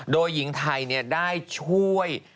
โดยหญิงไทยได้ช่วย